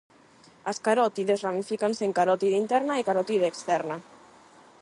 As carótides ramifícanse en carótide interna e carótide externa.